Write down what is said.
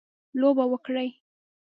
لوبه وکړي.